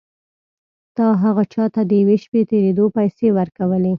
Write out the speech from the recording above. تا هغه چا ته د یوې شپې تېرېدو پيسې ورکولې.